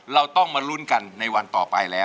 เราต้องมาลุ้นกันในวันต่อไปแล้ว